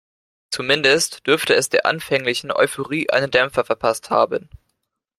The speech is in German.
Zumindest dürfte es der anfänglichen Euphorie einen Dämpfer verpasst haben.